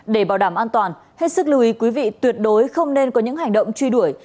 để bảo đảm an toàn hết sức lưu ý quý vị tuyệt đối không nên có những hành động truy đuổi